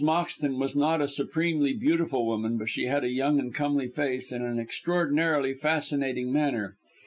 Moxton was not a supremely beautiful woman, but she had a young and comely face, and an extraordinarily fascinating manner.